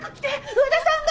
和田さんが！